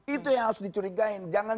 itu yang harus dicurigai jangan jauh jauh